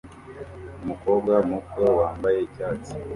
Umukobwa muto wambaye icyatsi